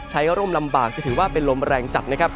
ร่มลำบากจะถือว่าเป็นลมแรงจัดนะครับ